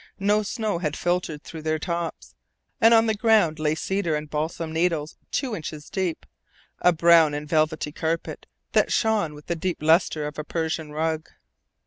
No snow had filtered through their tops, and on the ground lay cedar and balsam needles two inches deep, a brown and velvety carpet that shone with the deep lustre of a Persian rug.